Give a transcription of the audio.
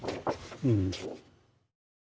うん。